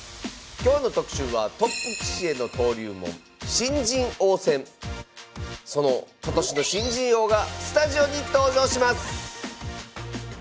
今日の特集はトップ棋士への登竜門その今年の新人王がスタジオに登場します！